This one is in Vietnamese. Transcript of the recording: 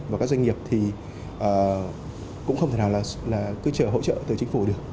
và các doanh nghiệp thì cũng không thể nào là cứ chờ hỗ trợ từ chính phủ được